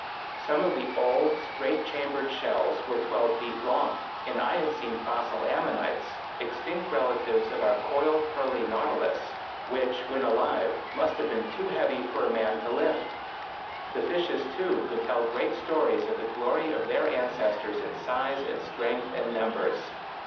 Some of the old straight chambered shells were twelve feet long; and I have seen fossil ammonites, extinct relatives of our coiled pearly nautilus, which when alive must have been too heavy for a man to lift. The fishes, too, could tell great stories of the glory of their ancestors in size and strength and numbers.